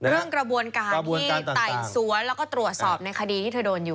กระบวนการที่ไต่สวนแล้วก็ตรวจสอบในคดีที่เธอโดนอยู่